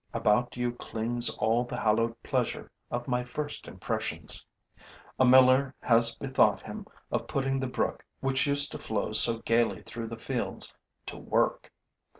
About you clings all the hallowed pleasure of my first impressions. A miller has bethought him of putting the brook, which used to flow so gaily through the fields, to work.